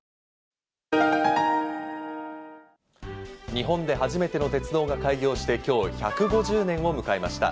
日本で初めての鉄道が開業して今日１５０年を迎えました。